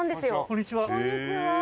こんにちは。